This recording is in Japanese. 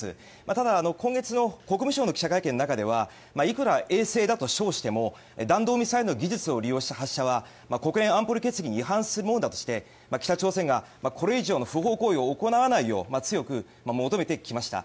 ただ、今月の国務省の記者会見の中ではいくら衛星だと称しても弾道ミサイルの技術を利用した発射は国連安保理決議に違反するものだとして北朝鮮がこれ以上の不法行為を行わないよう強く求めてきました。